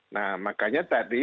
nah makanya tadi